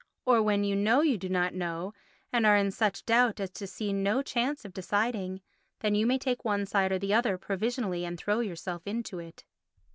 Or when you know you do not know and are in such doubt as to see no chance of deciding, then you may take one side or the other provisionally and throw yourself into it.